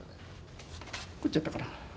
こっちやったかな？